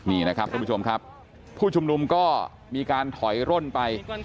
นี่นะครับทุกผู้ชมครับผู้ชุมนุมก็มีการถอยร่นไป